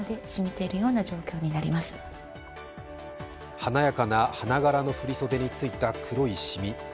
華やかな花柄の振り袖についた黒い染み。